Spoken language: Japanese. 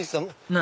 何？